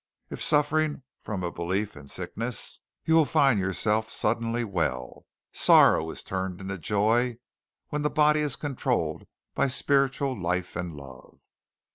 If suffering from a belief in sickness, you will find yourself suddenly well. Sorrow is turned into joy when the body is controlled by spiritual life and love."